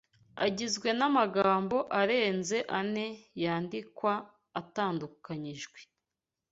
agizwe n’amagambo arenze ane yandikwa atandukanyijwe